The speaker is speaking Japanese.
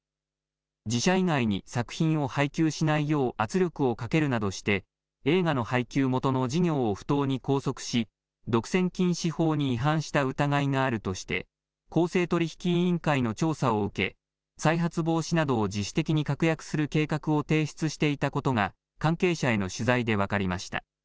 自社以外に作品を配給しないよう圧力をかけるなどして映画の配給元の事業を不当に拘束し独占禁止法に違反した疑いがあるとして公正取引委員会の調査を受け再発防止などを自主的に確約する計画を提出していたことが関係者への取材で分かりました。